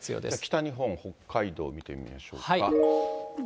北日本、北海道見てみましょうか。